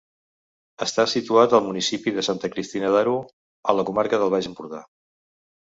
Està situat al municipi de Santa Cristina d'Aro, a la comarca del Baix Empordà.